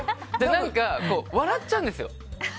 何か笑っちゃうんですよ。